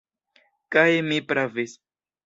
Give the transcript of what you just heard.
Kaj mi pravis.